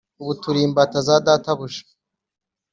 Ubu turi imbata za databuja